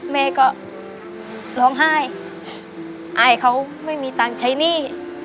แม่ก็ร้องไห้อายเขาไม่มีตังค์ใช้หนี้